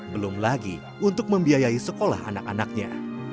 selain itu rp dua lagi untuk membiayai sekolah anak anaknya